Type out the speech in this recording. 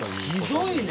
ひどいね！